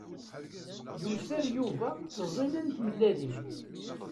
Yuser Yuba ttẓina n tmellalin.